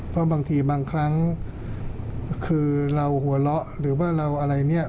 เพราะบางทีบางครั้งคือเราหัวเราะหรือว่าเราอะไรเนี่ย